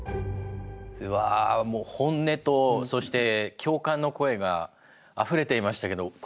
わあもう本音とそして共感の声があふれていましたけど。